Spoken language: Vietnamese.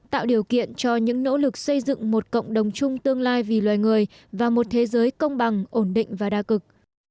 tạo điều kiện cho những nỗ lực xây dựng một cộng đồng chung tương lai vì loài người và một thế giới công bằng ổn định và đa cực